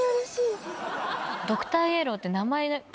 ドクターイエローって。